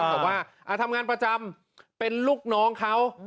บอกว่าทำงานประจำเป็นลูกน้องเขา